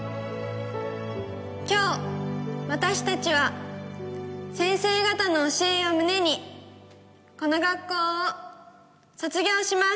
今日私たちは先生方の教えを胸にこの学校を卒業します。